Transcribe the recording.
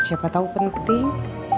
siapa tau penting